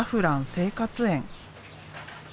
生活園。